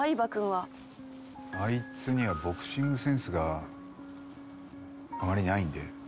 あいつにはボクシングセンスがあまりないんで。